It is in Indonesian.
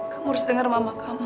kamu harus dengar mama kamu